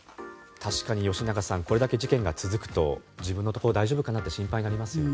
確かに吉永さんこれだけ事件が続くと自分のところ大丈夫かなと心配になりますよね。